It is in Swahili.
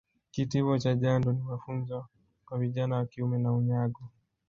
Kitivo cha jando ni mafunzo kwa vijana wa kiume na unyago